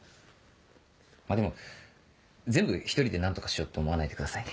でも全部一人で何とかしようって思わないでくださいね。